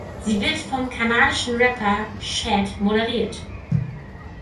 Sie wird vom kanadischen Rapper Shad moderiert.